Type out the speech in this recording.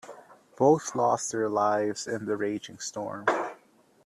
Both lost their lives in the raging storm.